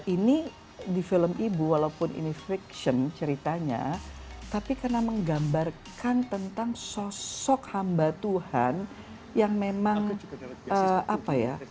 ini di film ibu walaupun ini friction ceritanya tapi karena menggambarkan tentang sosok hamba tuhan yang memang apa ya